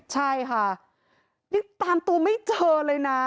ใช่ค่ะยังตามตัวไม่เจอเลยนะ